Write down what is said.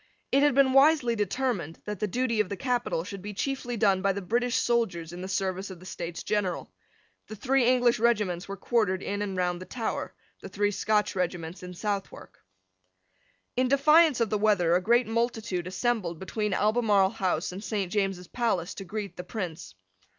It had been wisely determined that the duty of the capital should be chiefly done by the British soldiers in the service of the States General. The three English regiments were quartered in and round the Tower, the three Scotch regiments in Southwark. In defiance of the weather a great multitude assembled between Albemarle House and Saint James's Palace to greet the Prince.